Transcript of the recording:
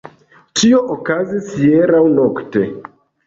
Tio okazis hieraŭ nokte.